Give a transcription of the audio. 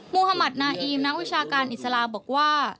มุธมัธนาอีมนักวิชาการอิสลาบอกว่า